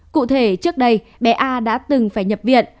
cụ thể trước đây bé a đã từng phải nhập viện